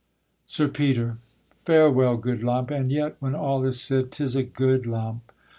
_ SIR PETER. Farewell, good lump! and yet, when all is said, 'Tis a good lump.